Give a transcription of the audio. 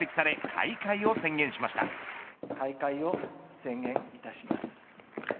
開会を宣言いたします。